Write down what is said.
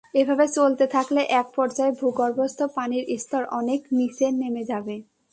এভাবে চলতে থাকলে একপর্যায়ে ভূগর্ভস্থ পানির স্তর অনেক নিচে নেমে যাবে।